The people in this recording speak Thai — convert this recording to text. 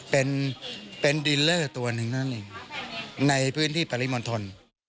เป็นดีลเลอร์ตัวหนึ่งเลยในพื้นที่ปริมณ์ทน